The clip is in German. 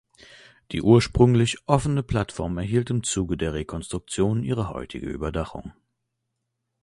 Die ursprünglich offene Plattform erhielt im Zuge der Rekonstruktion ihre heutige Überdachung.